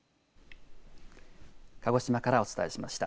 鹿児島からお伝えしました。